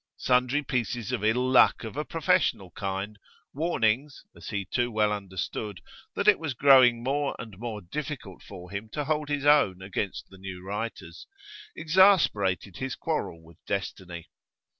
Sundry pieces of ill luck of a professional kind warnings, as he too well understood, that it was growing more and more difficult for him to hold his own against the new writers exasperated his quarrel with destiny.